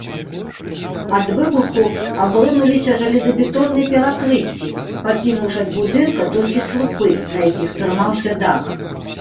Ад выбуху абрынуліся жалезабетонныя перакрыцці, пакінуўшы ад будынка толькі слупы, на якіх трымаўся дах.